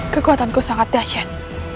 kekuatanku sangat dasyat